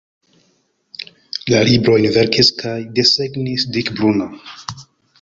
La librojn verkis kaj desegnis Dick Bruna.